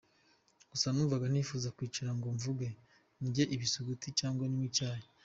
Gusa, numvaga ntifuza kwicara ngo mvuge, ndye ibisuguti cyangwa nywe icyayi.